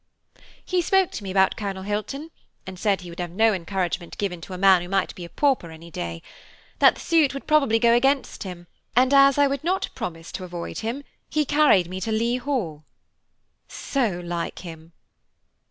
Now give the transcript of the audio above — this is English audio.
"He spoke to me about Colonel Hilton, and said he would have no encouragement given to a man who might be a pauper any day; that the suit would probably go against him; and as I would not promise to avoid him, he carried me to Leigh Hall." "So like him."